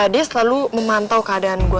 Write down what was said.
dia selalu memantau keadaan gua